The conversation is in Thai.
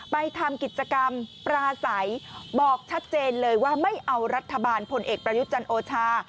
ไปทำกิจกรรมปลาใสบอกชัดเจนเลยว่าไม่เอารัฐบาลพลเอกประยุทธ์จันทร์โอชา